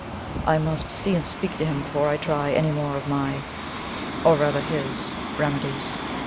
I must see and speak to him before I try any more of my, or rather his, remedies.